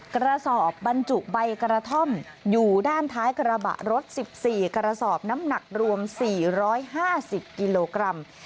กระสอบบรรจุใบกระท่อมอยู่ด้านท้ายกระบะรถ๑๔กระสอบน้ำหนักรวม๔๕๐กิโลกรัม